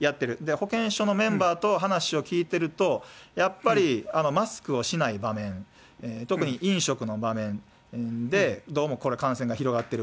保健所のメンバーと話を聞いていると、やっぱりマスクをしない場面、特に飲食の場面でどうもこれ、感染が広がっている。